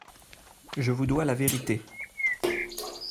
Je vous dois la vérité.